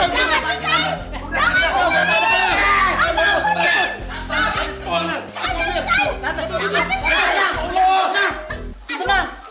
jangan pisahin gitu jangan pisahin gitu